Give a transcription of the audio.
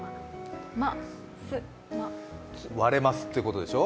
割れますってことでしょ。